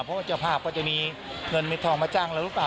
เพราะว่าเจ้าภาพก็จะมีเงินมีทองมาจ้างเราหรือเปล่า